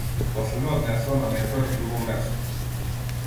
После ме однесоа на некое друго место.